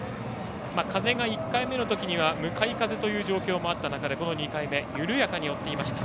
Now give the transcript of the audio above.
風が１回目のときには向かい風という状況もあった中でこの２回目緩やかに追っていました。